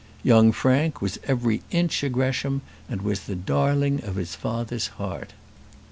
Young Frank was every inch a Gresham, and was the darling of his father's heart.